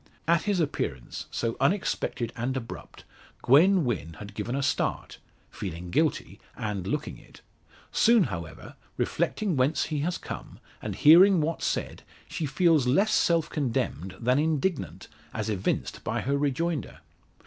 At his appearance, so unexpected and abrupt, Gwen Wynn had given a start feeling guilty, and looking it. Soon, however, reflecting whence he has come, and hearing what said, she feels less self condemned than indignant, as evinced by her rejoinder.